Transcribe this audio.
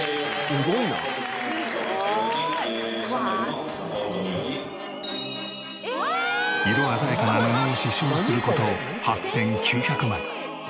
すごい！色鮮やかな布を刺繍する事８９００枚。